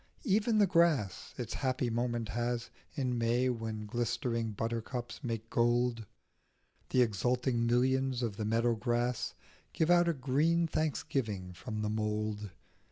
Even the grass its happy moment has In May, when glistering buttercups make gold ; The exulting millions of the meadow grass Give out a green thanksgiving from the mould.